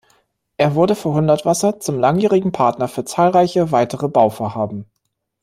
Er wurde für Hundertwasser zum langjährigen Partner für zahlreiche weitere Bauvorhaben.